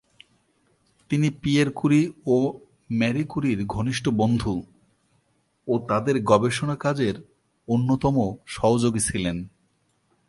তিনি Pierre Curie ও Marie ক্যুরির ঘনিষ্ঠ বন্ধু ও তাদের গবেষণা কাজের অন্যতম সহযোগী ছিলেন।